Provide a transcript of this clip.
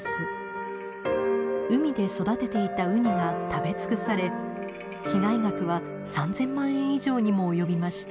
海で育てていたウニが食べ尽くされ被害額は３，０００万円以上にも及びました。